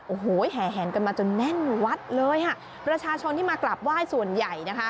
โอ้โหแห่แหนกันมาจนแน่นวัดเลยค่ะประชาชนที่มากราบไหว้ส่วนใหญ่นะคะ